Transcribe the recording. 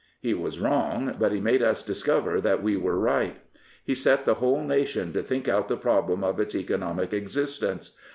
He was wrong; but he made us discover that we were right. He set the whole nation to think out the problem of its economic existence.